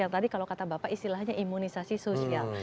tadi kalau kata bapak istilahnya imunisasi sosial